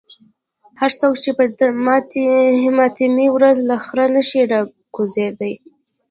هر څوک چې په ماتمي ورځ له خره نشي راکوزېدای.